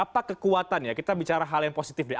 apa kekuatan yang indikator indikator yang harus dihadapi